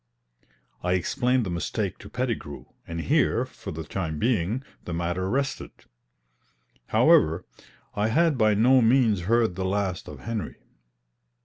I explained the mistake to Pettigrew, and here, for the time being, the matter rested. However, I had by no means heard the last of Henry.